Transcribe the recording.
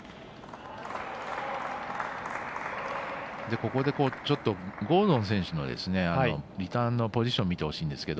ここで、ちょっとゴードン選手のリターンのポジションを見てほしいんですけど。